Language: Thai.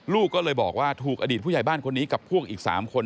ลูกก็เลยบอกว่าถูกอดีตผู้ใหญ่บ้านคนนี้กับพวกอีก๓คน